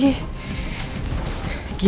di luar hujan lagi